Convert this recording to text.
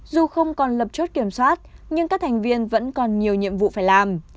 dù không còn lập chốt kiểm soát nhưng các thành viên vẫn còn nhiều nhiệm vụ phải làm